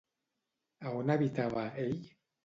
A on habitava ell?